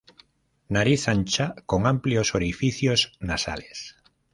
Nariz ancha con amplios orificios nasales.